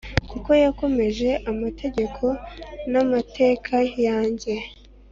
kuko yakomeje amategeko n amateka yanjye